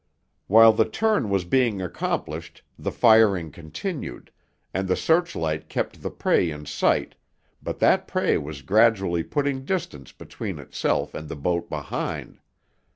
While the turn was being accomplished, the firing continued, and the searchlight kept the prey in sight but that prey was gradually putting distance between itself and the boat behind.